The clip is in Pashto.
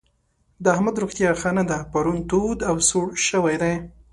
د احمد روغتيا ښه نه ده؛ پرون تود او سوړ شوی دی.